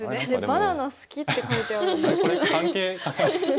「バナナ好き」って書いてあるんですけど。